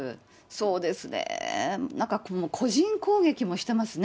そうですね、なんか個人攻撃もしてますね。